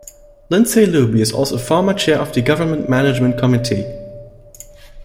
Lindsay Luby is also a former Chair of the Government Management Committee.